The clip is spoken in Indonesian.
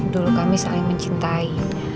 dulu kami saling mencintai